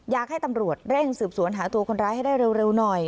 อยากให้ตำรวจเร่งสืบสวนหาตัวคนร้ายให้ได้เร็วหน่อย